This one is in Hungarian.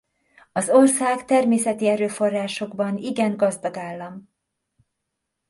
Az ország természeti erőforrásokban igen gazdag állam.